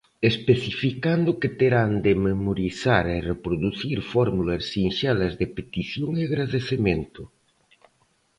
Especificando que terán de "memorizar e reproducir fórmulas sinxelas de petición e agradecemento".